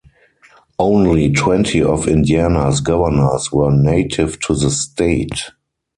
Only twenty of Indiana's governors were native to the state.